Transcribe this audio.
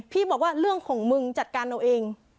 บอกว่าเรื่องของมึงจัดการเอาเอง